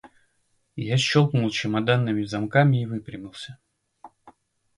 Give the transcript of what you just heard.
Я щелкнул чемоданными замками и выпрямился.